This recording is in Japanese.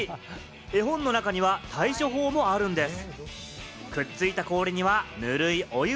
絵本の中には対処法もあるんです。